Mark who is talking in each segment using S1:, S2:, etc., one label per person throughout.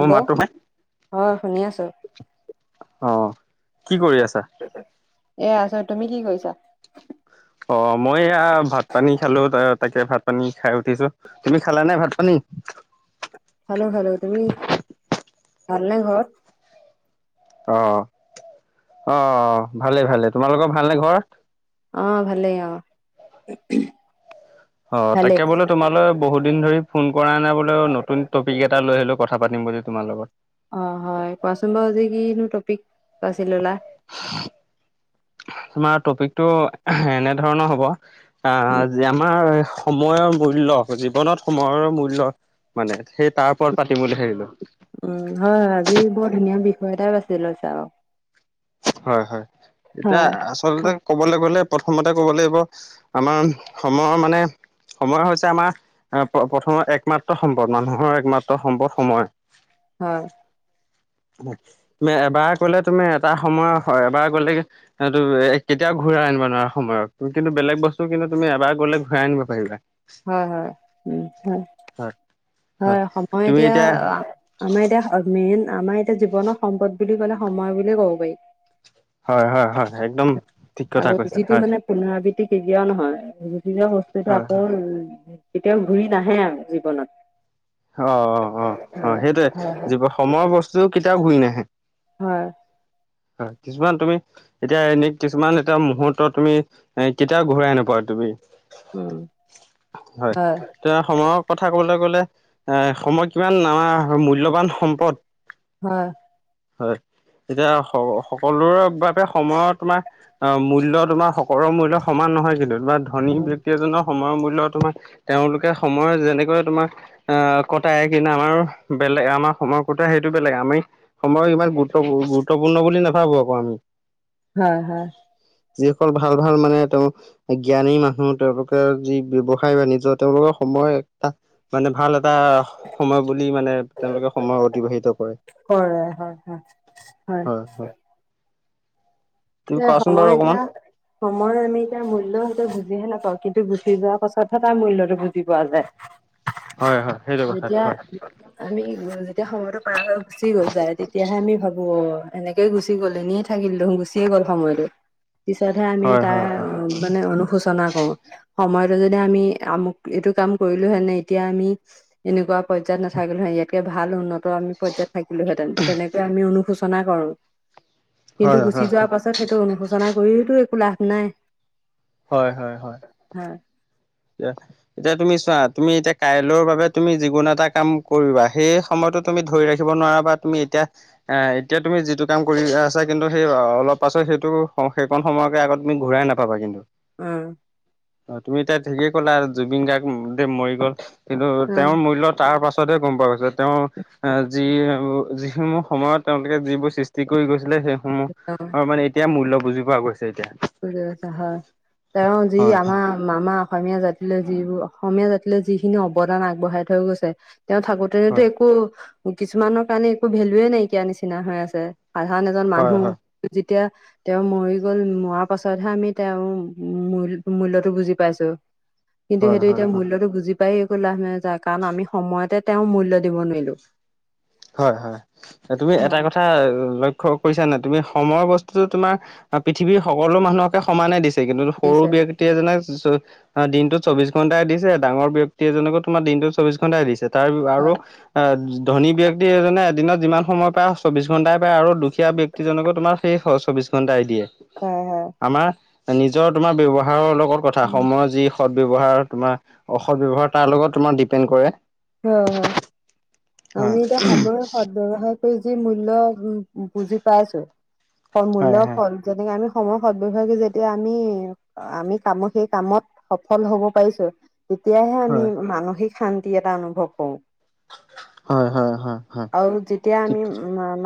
S1: মোৰ মাতটো হয়,
S2: হয় শুনি আছো
S1: অঁ কি কৰি আছা?
S2: এয়া আছোঁ, তুমি কি কৰিছা?
S1: অ মই এয়া ভাত পানী খালো, ত তাকে ভাত পানী খাই উঠিছো, তুমি খালা নাই ভাত পানী?
S2: খালো খালো, তুমি ভাল নে ঘৰত?
S1: অ অঁ অঁ ভালে ভালে, তোমালোকৰ ভালনে ঘৰত?
S2: অঁ, ভালেই অঁ
S1: অঁ, তাকে বোলে তোমালৈ বহুদিন ধৰি ফোন কৰা নাই বোলে, নতুন টপিক এটা লৈ আহিলো কথা পাতিম বুলি তোমাৰ লগত।
S2: অঁ, হয় কোৱাচোন বাৰু আজি কিনো টপিক বাছি ল'লা।
S1: তোমাৰ টপিকটো এনে ধৰণৰ হব।
S2: উম
S1: আঁহ আমাৰ সময়ৰ মূল্য জীৱনত সময়ৰ মূল্য মানে সেই তাৰ ওপৰত পাতিম বুলি ভাবিলো।
S2: উম হয় হয়, আজি বৰ ধুনীয়া বিষয় এটাই বাছি লৈছা আও।
S1: হয় হয়, এতিয়া
S2: হয়
S1: আচলতে ক'বলৈ গ'লে প্ৰথমতে ক'ব লাগিব, আমাৰ সময় মানে সময় হৈছে আমাৰ প্ৰথমৰ একমাত্ৰ সম্পদ মানুহৰ একমাত্ৰ সম্পদ সময়।
S2: হয়।
S1: তুমি এবাৰ কলে তুমি এটা সময় হয়, এবাৰ গলে সেইটো কেতিয়াও ঘূৰাই আনিব নোৱাৰা সময়ক, কিন্তু বেলেগ বস্তু কিন্তু তুমি এবাৰ গলে ঘূৰাই আনিব পাৰিবা।
S2: হয় হয় উম হয়
S1: হয়
S2: হয়, সময় এতিয়া আমাৰ এতিয়া মেইন আমাৰ এতিয়া জীৱনৰ সম্পদ বুলি ক'লে সময় বুলিয়ে ক'ব পাৰি।
S1: হয় হয় হয় একদম। ঠিক কথা
S2: আকৌ
S1: কৈছা
S2: যিটো
S1: হয়
S2: মানে পুনৰাবৃত্তি কেতিয়াও নহয়, যিটোহে বস্তুটো
S1: হয়
S2: আকৌ
S1: হয়।
S2: উ কেতিয়াও ঘূৰি নাহে আৰু জীৱনত।
S1: অ অ অ অ
S2: হয়
S1: সেইটোয়ে
S2: হয় হয়
S1: যোৰ সময়ৰ বস্তু কেতিয়াও ঘূৰি নাহে।
S2: হয়।
S1: হয় কিছুমান তুমি- এতিয়া এনে কিছুমান এটা মুহূুৰ্তত তুমি এ কেতিয়াও ঘূৰাই নাপোৱা তুমি।
S2: হয়
S1: হয়। তিয়া সময়ৰ কথা কবলৈ গ'লে এ সময় কিমান আমাৰ মূল্যবান সম্পদ।
S2: হয়।
S1: হয় তেতিয়া সকলোৰে বাবে সময়ত তোমাৰ- অঁ মূল্য তোমাৰ সকলোৰ মূল্য সমান নহয় কিন্তু তোমাৰ ধনী
S2: উম,
S1: বক্তি এজনৰ সময়ৰ মূল্য় তোমাৰ তেওঁলোকে সময়ৰ যেনেকৈ তোমাৰ- আহ কটাই কিনে আমাৰ বেলেগ আমাৰ সময় কটাই সেইটো বেলেগ আমি সময় ইমান গুৰুত্ব গুৰুত্বপূৰ্ণ বুলি নাভাবো আকৌ আমি।
S2: হয় হয়।
S1: যিসকল ভাল ভাল মানে তেওঁ- জ্ঞানী মানুহ তেওঁলোকৰ যি ব্য্য়ৱসায় বাণিজ্য তেওঁলোকৰ সময় এটা- মানে ভাল এটা সময় বুলি মানে তেওঁলোকে সময় অতিবাহিত কৰে।
S2: হয় হয় হয় হয়।
S1: তুমি
S2: এ
S1: কোৱাচোন বাৰু
S2: এতিয়া
S1: অকমান।
S2: সময় আমি ইতা মূল্য সটো বুজিহে নাপাওঁ কিন্তু গুচি যোৱা পাছতহে তাৰ মূল্যটো বুজি পোৱা যায়।
S1: হয় হয় সেইটো কথাত
S2: যেতিয়া
S1: হয়।
S2: আমি যেতিয়া সময়তো পাৰ হৈ গুচি গৈ যায় তেতিয়াহে আমি ভাবো অ- এনেকেই গুচি গ'ল এনিয়ে থাকিল দেখোন গুচিয়ে গ'ল সময়টো। পিছতহে আমি
S1: হয়
S2: তাৰ
S1: হয় হয়
S2: মানে অনুশোচনা কৰো। সময়তো যদি আমি আমুক এইটো কাম কৰিলো হেনে এতিয়া আমি এনেকুৱা পৰ্যায়ত নাথাকিলো হে ইয়াতকে ভাল উন্নত ত আমি পৰ্যায়ত থাকিলোহেঁতেন তেনেকৈ আমি অনুশোচনা কৰো। কিন্তু
S1: হয়
S2: গুচি
S1: হয়
S2: যোৱাৰ
S1: হয়।
S2: পাছত সেইটো অনুশোচনা কৰিওতো একো লাভ নাই।
S1: হয় হয় হয়,
S2: হয়
S1: এতিয়া তুমি চোৱা তুমি এতিয়া কাইলৰ বাবে তুমি যিকোনো এটা কাম কৰিবা সেই সময়তো তুমি ধৰি ৰাখিব নোৱাৰা বা তুমি এতিয়া এ এতিয়া তুমি যিটো কাম কৰি আছা কিন্তু সেই অলপ পাছত সেইটো স হেই কন সময়কে আগত তুমি ঘূৰাই নাপাবা কিন্তু।
S2: উম।
S1: অঁ তুমি এতিয়া ঠিকেই ক'লা জুবিন গাৰ্গ দে মৰি গল কিন্তু তেওঁৰ মৈলত তাৰ পাছ- ছতহে গম পোৱা গৈছে তেওঁ আহ যি যিসমহ সময়ত তেওঁলোকে যিবোৰ সৃষ্টি কৰি গৈছিলে সে সমূহৰ মানে এতিয়া মূল্য় বুজি পোৱা গৈছে এতিয়া।
S2: হয় তেওঁৰ যি
S1: হয় হয়
S2: আমা- মামা অসমীয়া জাতিলৈ যিবোৰ অসমীয়া জাতিলৈ যিখিনি অৱদান আগবঢ়াই থৈ গৈছে তেওঁ থাকোত তেতো একো কিছুমানৰ কাৰণে একো ভেলুয়ে নাইকিয়া নিচিনা হৈ আছে। সাধাৰান এজন
S1: হয় হয়
S2: মানুহ
S1: হয়
S2: যেতিয়া তেওঁ মৰি গল মৱা পাছতহে আমি তেওঁ মূইল মূল্য়তটো বুজি পাইছো। কিন্তু
S1: হয়
S2: সেইটো
S1: হয় হয়
S2: এতিয়া মূল্যতটো বুজি পাই একো লাভ নযায় কাৰণ আমি সময়তে তেওঁ মূল্য দিব নোৱাৰিলো।
S1: হয় হয় তুমি এটা কথা ল ক্ষ কৰিছা নাই তুমি সময়ৰ বস্তুতটো তোমাৰ পৃথিৱীৰ সকলো মানুহকে সমানে দিছে। কিন্তু সৰু
S2: বুজিছে
S1: বিয়া ক্তি এজনেক চ দিনতো চৌবিশ ঘন্টাই দিছে ডাঙৰ ব্যক্তি এজনকো তোমাৰ দিনতো চৌবিশ ঘন্টাই দিছে তাৰ আৰু
S2: হয়
S1: আ ধনী ব্যক্ ক্তি এজনে এদিনত যিমান সময় পায় চৌবিশ ঘণ্টাই পায়, আৰু দুখীয়া ব্যক্তিজনকো তোমাৰ সেই চৌবিশ ঘণ্টাই দিয়ে।
S2: হয় হয়
S1: আমাৰ নিজৰ তোমাৰ ব্যৱহাৰৰ লগত, কথা সময় যি সৎ-ব্যৱহাৰ, তোমাৰ অসৎ -ব্যৱহাৰ তাৰ লগত তোমাৰ ডিপেণ্ড কৰে।
S2: হয়, হয়
S1: হয়
S2: আমি এতিয়া সময়ৰ সদ- ব্যৱহাৰ কৰি যি মূল্য উম বুজি পাইছো সেই মূল্য
S1: হয় হয়
S2: ফল যেনেকে আমি সময়ৰ সদ- ব্যৱহাৰবোৰ যেতিয়া আমি আমি কামত সেই কামত সফল হব পাৰিছো। তেতিয়াহে আমি
S1: হয়
S2: মানসিক শান্তি এটা অনুভৱ কৰো।
S1: হয় হয় হয় হয়
S2: আৰু যেতিয়া
S1: ঠিক
S2: আমি
S1: কথা।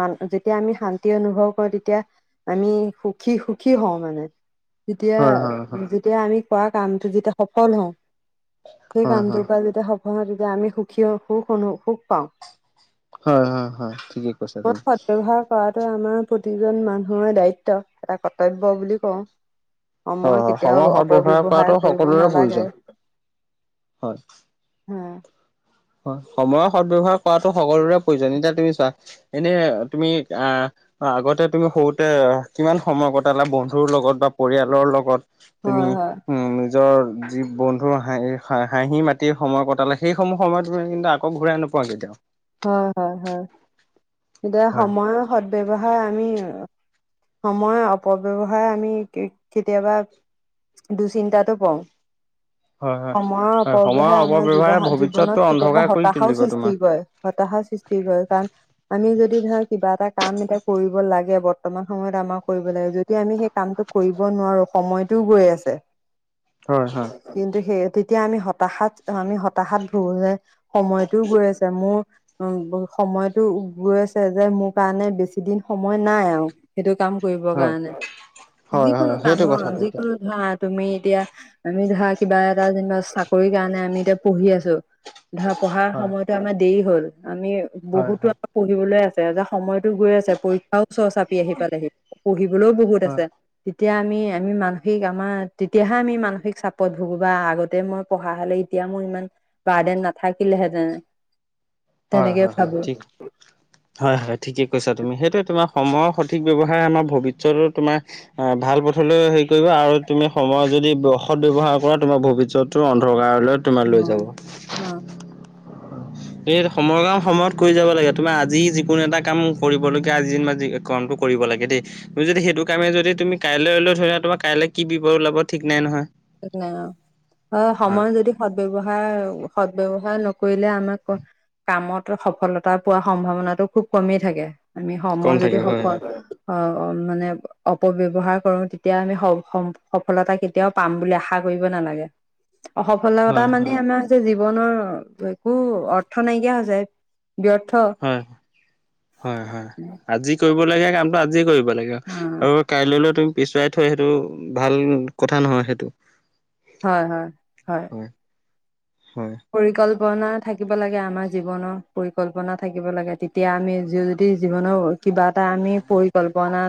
S2: মান যেতিয়া আমি শান্তি অনুভৱ কৰো তেতিয়া আমি সুখী সুখী হওঁ মানে তেতিয়া
S1: হয় হয় হয়
S2: যেতিয়া আমি কৰা কামটো যেতিয়া সফল হওঁ সেই
S1: হয় হয়
S2: কামটোৰ পা যদ সফল হও তেতিয়া আমি সুখী হও সুখ অনু সুখ পাওঁ
S1: হয়, হয়, হয় ঠিকেই কৈছা
S2: মই
S1: তুমি।
S2: সদব্যৱহাৰ কৰাটো আমাৰ প্ৰতিজন মানুহৰ দায়িত্ব এটা কৰ্তব্য বুলি কওঁ।
S1: হয়
S2: সময়
S1: হয় সময়
S2: কেতিয়াও
S1: সদ ব্যৱহাৰ কৰাটো
S2: অপব্যৱহাৰ কৰিব
S1: সকলোৰে
S2: নালাগে।
S1: প্ৰয়োজন হয়
S2: হয়
S1: হয় সময়ৰ সদ ব্যৱহাৰ কৰাটো সকলোৰে প্ৰয়োজন, এতিয়া তুমি চোৱা এনে তুমি আহ। অ আগতে তুমি সৰুতে কিমান সময় কটালা বন্ধুৰ লগত বা পৰিয়ালৰ লগত? তুমি
S2: হয় হয়
S1: উম' নিজৰ যি বন্ধুৰ হাঁহি হা হাঁহি মাতি সময় কটালে সেইসমূহ সময় তুমি কিন্তু আকৌ ঘূৰাই নোপোৱা কেতিয়াওঁ।
S2: হয়, হয়, হয় এতিয়া
S1: হয়
S2: সময়ৰ সদ- ব্যৱহাৰ আমি সময় অপব্যৱহাৰ আমি কে কেতিয়াবা দুঃচিন্তাটো পও
S1: হয় হয় হয়
S2: সময়ৰ
S1: সময়ৰ
S2: অপব্যৱহাৰে আমাৰ
S1: অপব্যৱহাৰে ভৱিষ্যতটো
S2: জীৱ-জীৱনত
S1: অন্ধকাৰ
S2: কেতিয়াবা
S1: কৰি
S2: হতাশাও
S1: তুলিব তোমাৰ
S2: সৃষ্টি কৰে। হতাশা সৃষ্টি কয়ে কাৰণ আমি যদি ধৰা কিবা এটা কাম এতিয়া কৰিব লাগে বৰ্তমান সময়ত আমাক কৰিব লাগে যদি আমি সেই কামটো কৰিব নোৱাৰো সময়টোও গৈ আছে
S1: হয়, হয়।
S2: কিন্তু সেই তেতিয়া আমি হতাশাত আমি হতাশাত ভুগোনে সময়টোও গৈ আছে মোৰ উ সময়টো গৈ আছে যে মোৰ কাৰণে বেছি দিন সময় নাই আৰু। সেইটো কাম কৰিবৰ
S1: হয়
S2: কাৰণে
S1: হয় হয়
S2: যিকোনো
S1: সেইটো
S2: কামৰ
S1: কথা তেতিয়া
S2: যিকোনো ধৰা তুমি এতিয়া, আমি ধৰা কিবা এটা যেনিবা চাকৰি কাৰণে আমি এতিয়া পঢ়ি আছো ধৰা পঢ়াৰ
S1: হয়
S2: সময়তো আমাৰ দেৰি হ'ল, আমি
S1: হয়
S2: বহুতো
S1: হয়
S2: পঢ়িবলৈ আছে যে সময়তো গৈ আছে পৰীক্ষাও ওচৰ চাপ পি আহি পালেহি পঢ়িবলৈও বহুত আছে। তেতিয়া আমি, আমি মানসিক আমাৰ তেতিয়াহে আমি মানসিক চাপত ভুগো বা আগতে মই পঢ়া হ'লে এতিয়া মোৰ ইমান বাৰ্দেন নাথাকিলেহেঁতেন।
S1: হয়,
S2: তেনেকে
S1: হয়, হয়
S2: ভাবো
S1: ঠিক। হয় হয় ঠিকেই কৈছা তুমি, সেইটোৱে তোমাৰ সময়ৰ সঠিক ব্যৱহাৰে আমাৰ ভৱিষ্যতৰ তোমাৰ অ ভাল পথলৈ হেৰি কৰিব আৰু তুমি সময় যদি সৎ- ব্যৱহাৰ কৰা তোমাৰ ভৱিষ্যতো অন্ধকাৰলৈ তোমাৰ
S2: অ
S1: লৈ যাব। এই সময়ৰ কাম সময়ত কৰি যাব লাগে। তোমাৰ আজি যিকোনো এটা কাম কৰিবলগীয়া আজি কামটো কৰিব লাগে দেই। তুমি যদি সেইটো কামে যদি তুমি কাইলৈ লৈ থৈ দিয়া, তোমাৰ কাইলৈ কি বিপদ ওলাব ঠিক নাই নহয়?
S2: ঠিক নাই অ'। অ'
S1: হয়
S2: সময় যদি সদ-ব্যয়ৱহাৰ সদ-ব্যৱহাৰ নকৰিলে আমাক কামত সফলতা পোৱা সম্ভাৱনাটো খুব কমেই থাকে, আমি
S1: কম
S2: সময় যদি
S1: থাকে হয়
S2: সফল অ' মানে অপব্যৱহাৰ কৰোঁ, তেতিয়া আমি স-সফলতা কেতিয়াও পাম বুলি আশা কৰিব নালাগে, অ সফলতা
S1: হয়
S2: মানে
S1: হয়
S2: আমাৰ যে জীৱনৰ একো অৰ্থ নাইকিয়া হৈ যায়। ব্যৰ্থ।
S1: হয়, হয়, হয় আজি কৰিব লাগীয়া কামটো আজিয়েই কৰিব লাগে।
S2: অ
S1: আৰু কাইলৈলৈ তুমি পিছুৱাই থৈ সেইটো ভাল কথা নহয় সেইটো।
S2: হয়, হয়, হয়।
S1: হয়, হয়।
S2: পৰিকল্পনা থাকিব লাগে আমাৰ জীৱনৰ, পৰিকল্পনা থাকিব লাগে। তেতিয়া আমি যুজ জি জীৱনৰ কিবা এটা আমি পৰিকল্পনা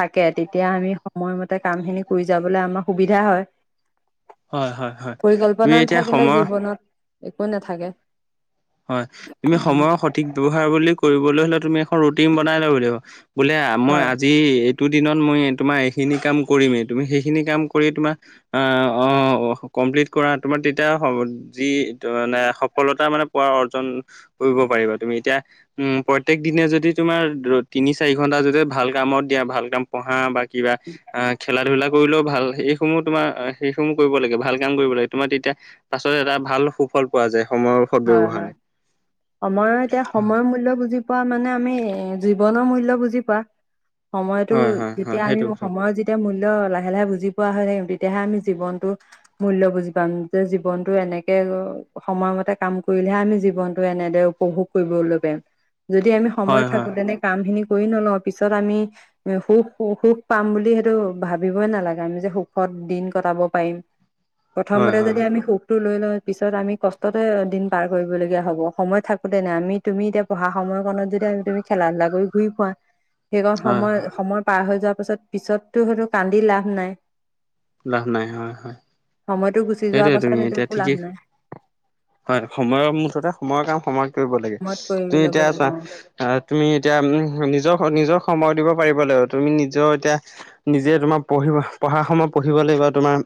S2: থাকে। তেতিয়া আমি সময়মতে কাম খিনি কৰি যাবলৈ আমাৰ সুবিধা হয়।
S1: হয় হয় হয় তুমি
S2: পৰিকল্পনা
S1: এতিয়া
S2: নাথাকিলে
S1: সময়
S2: জীৱনত একো নাথাকে।
S1: হয়, তুমি সময়ৰ সঠিক ব্যয়ৱহাৰ বুলি কৰিবলৈ হ'লে তুমি এখন ৰুটিন বনাই ল'ব লাগিব। বোলে মই
S2: হয়
S1: আজি টো দিনত মই তোমাৰ এইখিনি কাম কৰিমেই, তুমি সেইখিনি কাম কৰি তোমাৰ অ', অ' কমপ্লিট কৰা, তোমাৰ তেতিয়া যি মানে সফলতা মানে পুৰা অৰ্জন কৰিব পাৰিবা। তুমি এতিয়া উম, প্ৰত্যেক দিনে যদি তোমাৰ তিনি চাৰি ঘন্টা যদি ভাল কামত দিয়া, ভাল কাম পঢ়া বা কিবা অ' খেলা ধূলা ক কৰিলেও ভাল। এইসমূহ তোমাৰ সেইসমূহ কৰিব লাগে, ভাল কাম কৰিব লাগে। তোমাৰ তেতিয়া আচলতে এটা ভাল সুফল পোৱা যায়। সময়ৰ সদ
S2: হয়,
S1: ব্যৱহাৰে।
S2: হয় সময়ৰ এতিয়া
S1: হয়
S2: সময়ৰ মূল্য বুজি পোৱা মানে আমি জীৱনৰ মূল্য বুজি পোৱা। সময়তো
S1: হয় হয় হয়
S2: যেতিয়া আমি
S1: সেইটো কথাটো
S2: সময়ত যি তেতিয়া মূল্য লাহে লাহে বুজি পোৱা হৈ আহিম, তেতিয়াহে আমি জীৱনটো মূল্য বুজি পাম। যে জীৱনতটো এনেকে সময়মতে কাম কৰিলেহে আমি জীৱনটো এনেদৰে উপভোগ কৰিবলৈ পাৰিম। যদি আমি
S1: হয়
S2: সময়
S1: হয়
S2: থাকো তেনে কাম খিনি কৰি নলওঁ, পিছত আমি সুখ সুখ পাম বুলি সেইটো ভাবিবই নালাগে, আমি যে সুখত দিন কটাব পাৰিম।
S1: হয়
S2: প্ৰথমতে
S1: হয়
S2: যদি আমি সুখটো লৈ লওঁ পিছত আমি কষ্টতে দিন পাৰ কৰিবলগীয়া হ'ব। সময় থাকোতেনে আমি তুমি এতিয়া পঢ়া সময় কণত যদি আমি তুমি খেলা ধূলা কৰি ঘূৰি ফুৰা।
S1: উ [unintelligible]
S2: সেইকণ সময় সময় পাৰ হৈ যোৱাৰ পাছত পিছততো সেইটো কান্দি লাভ নাই।
S1: লাভ নাই হয় হয়।
S2: সময়তো গুচি যোৱাৰ
S1: সেইটোৱে তুমি
S2: পাছত সেইটো
S1: এতিয়া
S2: একো
S1: ঠিকেই
S2: লাভ নাই।
S1: হয়। সময়ৰ মুঠতে সময়ৰ কাম সময় কৰিব লাগে।
S2: সময়ত কৰি
S1: তুমি
S2: ল'ব
S1: এতিয়া
S2: লাগিব
S1: চোৱা আহ তুমি এতিয়া উ নিজৰ নিজক সময় দিব পাৰিব লাগিব। তুমি নিজৰ এতিয়া নিজে তোমাৰ পঢ়িব পঢ়া সময় পঢ়িব লাগিব। তোমাৰ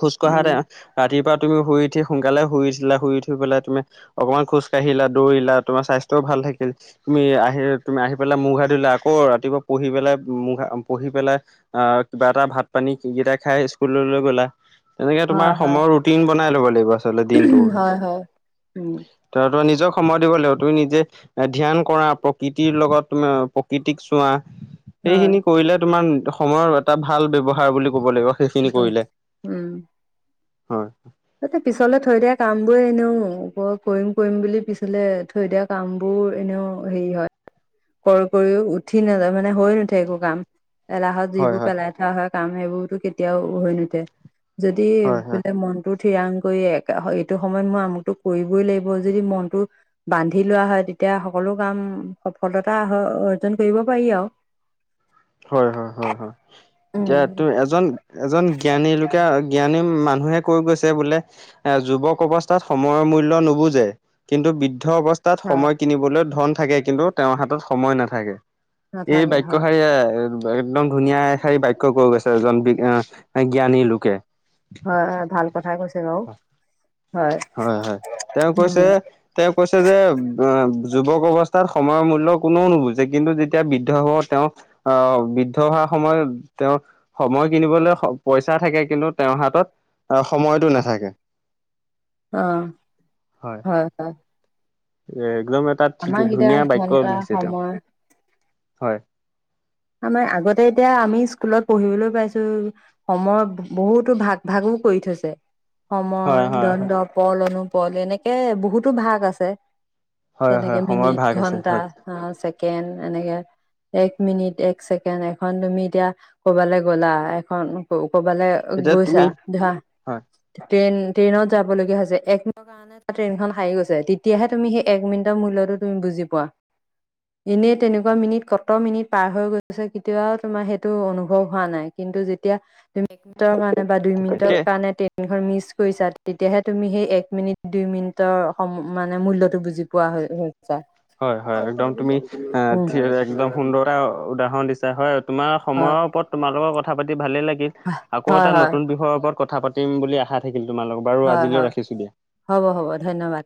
S1: খোজ
S2: উম।
S1: কঢ়াতে ৰাতিপুৱা তুমি শুই উঠি সোনকালে শুইছিলা শুই উঠি পেলাই তুমি অকনমান খোজ কাঢ়িলা, দৌৰিলা তোমাৰ স্বাস্থ্যও ভাল থাকিল তুমি আহি তুমি আহি পেলাই মুখ হাত ধুলা আকৌ ৰাতিপুৱা পঢ়ি পেলাই মুখ হা পঢ়ি পেলাই আহ কিবা এটা ভাত কি কেইটা খাই স্কুললৈ গ'লা। তেনেকে তোমাৰ
S2: হয় হয়
S1: সময়ৰ ৰুটিন বনাই ল'ব লাগিব আচলতে দিনটোৰ
S2: হয় হয় উম
S1: তাৰ তই নিজক সময় দিব লাগিব তুমি নিজে এ ধ্যান কৰা প্ৰকৃতিৰ লগত তোমাৰ প্ৰকৃতিক চোৱা
S2: হয়
S1: সেইখিনি কৰিলে তোমাৰ সময়ৰ এটা ভাল ব্যৱহাৰ বুলি ক'ব লাগিব। সেইখিনি
S2: ইনতই
S1: কৰিলে
S2: উম
S1: হয়
S2: তাতে পিছলে থৈ দিয়া কাম বোৰ এনেও ক কৰিম কৰিম বুলি পিছলে থৈ দিয়া কামবোৰো এনেও হেৰি হয়। কৰ কৰিও উঠি নাযায় মানে হৈ নুঠে একো কাম। এলাহত
S1: হয়
S2: যিবোৰ
S1: হয়
S2: পেলাই থোৱা হয় কাম সেইবোৰতো কেতিয়াও হৈ নুঠে। যদি
S1: হয় হয়
S2: বোলে মন ঠিৰাং কৰি একা হ এইটো সময়ত মই আমুকটো কৰিবই লাগিব যদি মনটো বান্ধি লোৱা হয় তেতিয়া সকলো কাম সফলতা অৰ্জন কৰিব পাৰি আৰু।
S1: হয় হয় হয় হয় এতিয়া
S2: উম,
S1: তোৰ এজন এজন জ্ঞানী লোকে জ্ঞানী মানুহে কৈ গৈছে বোলে এ যুৱক অৱস্থাত সময়ৰ মূল্য নুবুজে কিন্তু বৃদ্ধ অৱস্থা- তাত
S2: হয়
S1: সময় কিনিবলৈ ধন থাকে কিন্তু তেওঁৰ হাতত সময় নাথাকে এই
S2: নাথাকে হয়,
S1: বাক্যশাৰীয়ে একদম ধুনীয়া এশাৰী বাক্য কৈ গৈছে এজন বি আ জ্ঞানী লোকে।
S2: হয় হয় ভাল কথাই কৈছে বাওঁ।
S1: হয় হয় তেওঁ কৈছে
S2: উম,
S1: তেওঁ কৈছে যে এ যুৱক অৱস্থাত সময়ৰ মূল্য কোননেও নুবুজে কিন্তু যেতিয়া বৃদ্ধ হ'ব তেওঁ আহ বৃদ্ধ হোৱাৰ সময়ত তেওঁ সময় কিনিবলৈ স পইচা থাকে কিন্তু তেওঁৰ হাতত আহ সময়টো নাথাকে।
S2: অ
S1: হয় এ একদম এটা ঠিক
S2: আমাৰ এতিয়া
S1: ধুনীয়া বাক্য
S2: ঘন্টা
S1: লিখিছে তেওঁ।
S2: সময়
S1: হয়
S2: আমাৰ আগতে এতিয়া আমি স্কুলত পঢ়িবলৈ পাইছো সময় বহুতো ভাগ ভাগো কৰি থৈছে। সময়,
S1: হয় হয়
S2: দণ্ড,
S1: হয়
S2: পল, অনুপল এনেকে বহুতো ভাগ আছে।
S1: হয় হয়
S2: তেনেকে
S1: সময়ৰ
S2: মিনিট,
S1: ভাগ আছে
S2: ঘন্টা,
S1: হয়
S2: ছেকেণ্ড এনেকে এক মিনিট এক ছেকেণ্ড এখন তুমি এতিয়া কৰবালৈ গ'লা এখন ক কবালে
S1: এতিয়া
S2: গৈছা
S1: তুমি
S2: ধৰা
S1: হয়
S2: ট্ৰেইন ট্ৰেইনত যাব লগীয়া হৈছে এক মিনিটৰ কাৰনে মানে ট্ৰেইনখন হাৰি গৈ তেতিয়াহে তুমি সেই এক মিনিটৰ মূল্যটো তুমি বুজি পোৱা। এনেই তেনেকুৱা মিনিট ক'ত মিনিট পাৰ হৈ গৈছে কেতিয়াও তোমাৰ সেইটো অনুভৱ হোৱা নাই কিন্তু যেতিয়া এট মিনিটৰ কাৰণে বা দুই
S1: তাকে
S2: মিনিটৰ কাৰণে তে- ট্ৰেইনখন মিচ কৰিছা তেতিয়াহে তুমি সেই এক মিনিট, দুই মিনিটৰ সম মানে মূল্যটো বুজি পোৱা হৈ হয়। ছা
S1: হয় হয় একদম তুমি এ ঠিক কৈছা একদম সুন্দৰ এটা উদাহৰণ দিছা হয় তোমাৰ
S2: হয়
S1: সময়ৰ ওপৰত তোমাল লগৰ কথা পাতি ভালে লাগিল আকৌ
S2: হয়
S1: এটা
S2: হয়
S1: নতুন বিষয়ৰ ওপৰত কথা পাতি- তিম বুলি আশা থাকিল তোমাৰ লগত বাৰু
S2: হয়
S1: আজিলৈ
S2: হয়
S1: ৰাখিছো দিয়া।
S2: হ'ব হ'ব, ধন্যবাদ।